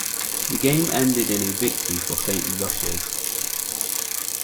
The game ended in a victory for Saint Roch's.